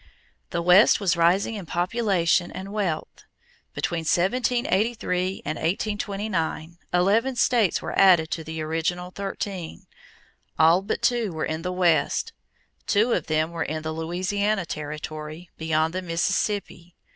The West was rising in population and wealth. Between 1783 and 1829, eleven states were added to the original thirteen. All but two were in the West. Two of them were in the Louisiana territory beyond the Mississippi.